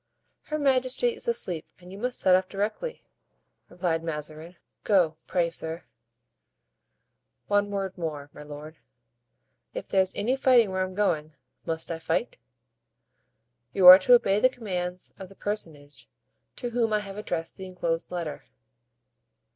"Her majesty is asleep and you must set off directly," replied Mazarin; "go, pray, sir——" "One word more, my lord; if there's any fighting where I'm going, must I fight?" "You are to obey the commands of the personage to whom I have addressed the inclosed letter."